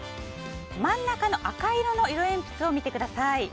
真ん中の赤色の色鉛筆を見てください。